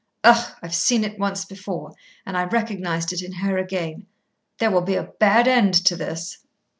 Ugh! I've seen it once before, and I recognised it in her again. There will be a bad end to this."